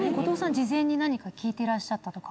事前に何か聞いてらっしゃったとか。